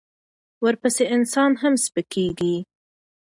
ورپسې انسان هم سپکېږي.